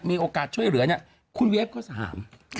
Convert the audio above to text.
มีโอกาสช่วยเหลือเนี่ยคุณเวฟก็สาม